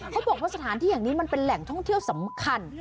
เขาบอกว่าสถานที่แห่งนี้มันเป็นแหล่งท่องเที่ยวสำคัญ